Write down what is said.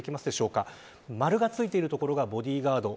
丸がついている所がボディーガード。